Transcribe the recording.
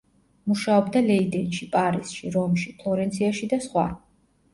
მუშაობდა ლეიდენში, პარიზში, რომში, ფლორენციაში და სხვა.